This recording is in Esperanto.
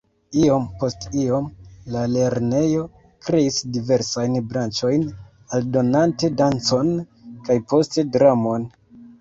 Iom post iom, la lernejo kreis diversajn branĉojn aldonante dancon kaj poste dramon.